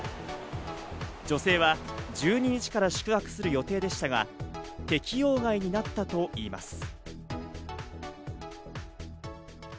女性は１２日から宿泊する予定でしたが、適用外になったといいます。